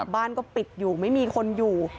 บ้านก็ปิดอยู่ไม่มีคนอยู่